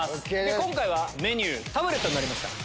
今回はメニュータブレットになりました。